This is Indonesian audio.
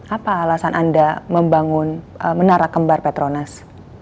apa alasan anda membangun menara kembar petronas